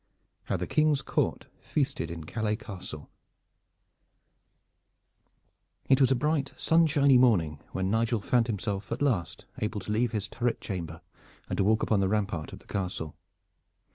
HOW THE KING'S COURT FEASTED IN CALAIS CASTLE It was a bright sunshiny morning when Nigel found himself at last able to leave his turret chamber and to walk upon the rampart of the castle.